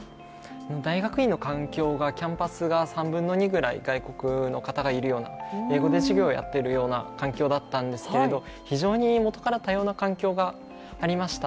大学院の環境がキャンパスが３分の２ぐらい外国の方がいるような英語で授業をやっている環境だったんですけれど非常にもとから多様な環境がありました。